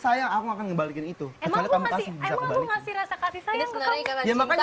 sayang aku akan membalikkan itu emang kamu kasih emang kasih rasa kasih sayang ke kamu ya makanya